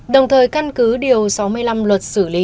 đồng thời căn cứ điều sáu mươi năm luật xử lý